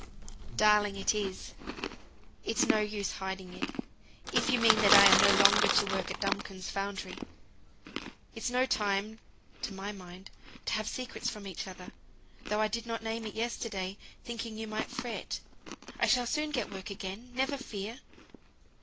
"Darling, it is; it's no use hiding it if you mean that I'm no longer to work at Duncombe's foundry. It's no time (to my mind) to have secrets from each other, though I did not name it yesterday, thinking you might fret. I shall soon get work again, never fear."